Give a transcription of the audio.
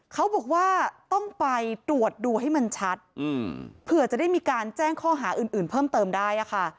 เขาบอกว่าต้องไปตรวจดูให้มันชัดเผื่อจะได้มีการแจ้งข้อหาอื่นเพิ่มเติมได้ค่ะ